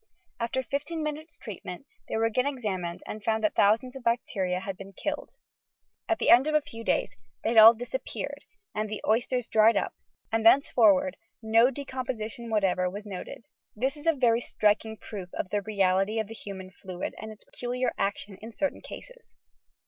After lifteen minutes' treat ment, they were again examined and it was found that thousands of bacteria had been killed. At the end of a few days they had all disappeared and the oysters dried up and thenceforward no decomposition whatever was noted ! This is a very striking proof of the reality of the human fiuid and its peculiar action in certain eases.